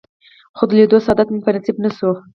خو د لیدو سعادت مې په نصیب نه شو.